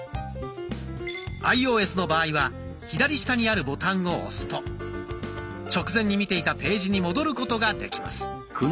アイオーエスの場合は左下にあるボタンを押すと直前に見ていたページに戻ることができます。